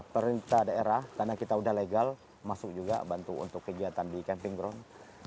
perintah daerah karena kita sudah legal masuk juga bantu untuk kegiatan di camping ground